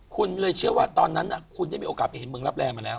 คุณเลยเชื่อว่าตอนนั้นคุณได้มีโอกาสไปเห็นเมืองรับแรงมาแล้ว